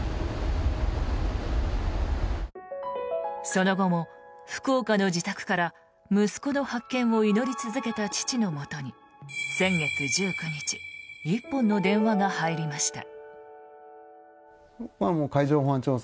その後も福岡の自宅から息子の発見を祈り続けた父のもとに先月１９日１本の電話が入りました。